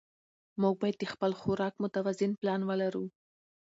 موږ باید د خپل خوراک متوازن پلان ولرو